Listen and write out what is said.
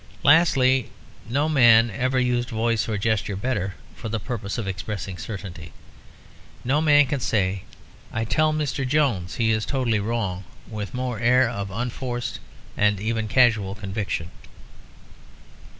Lastly, no man ever used voice or gesture better for the purpose of expressing certainty; no man can say "I tell Mr. Jones he is totally wrong" with more air of unforced and even casual conviction.